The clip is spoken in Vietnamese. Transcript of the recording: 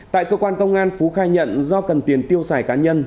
tại cơ quan công an phú khai nhận do cần tiền tiêu xài cá nhân